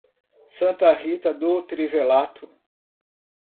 Santa Rita do Trivelato